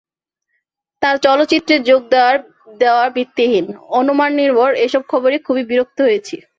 তার চলচ্চিত্রে যোগ দেওয়ার ভিত্তিহীন, অনুমাননির্ভর এসব খবরে খুবই বিরক্ত হয়েছি।